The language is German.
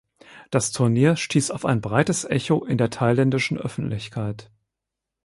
Das Turnier stieß auf ein breites Echo in der thailändischen Öffentlichkeit.